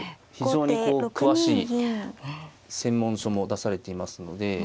非常に詳しい専門書も出されていますので。